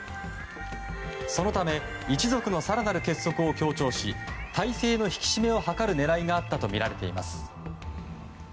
そのため一族の更なる結束を強調し体制の引き締めを図る狙いがあったとみられています。